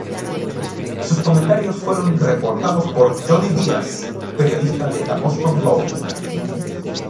Sus comentarios fueron reportados por Johnny Díaz, periodista de The Boston Globe.